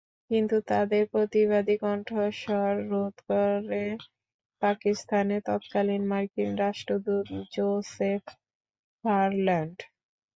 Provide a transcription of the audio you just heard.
কিন্তু তাঁদের প্রতিবাদী কণ্ঠস্বর রোধ করেন পাকিস্তানে তৎকালীন মার্কিন রাষ্ট্রদূত জোসেফ ফারল্যান্ড।